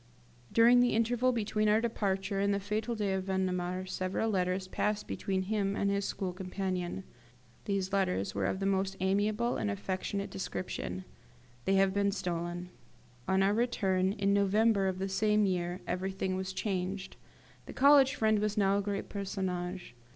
During the interval between our departure and the fatal day of Vendemiaire several letters passed between him and his school companion. These letters were of the most amiable and affectionate description. They have been stolen. On our return, in November of the same year, everything was changed. The college friend was now a great personage.